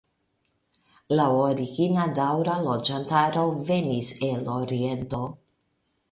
La origina daŭra loĝantaro venis el oriento.